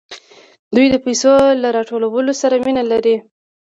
دوی د پیسو له راټولولو سره ډېره مینه لري